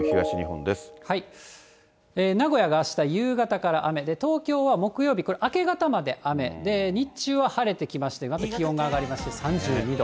名古屋があした夕方から雨で、東京は木曜日、明け方まで雨、日中は晴れてきまして、また気温が上がりまして３２度。